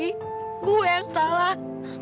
aku yang salah